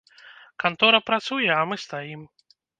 Кантора працуе, а мы стаім.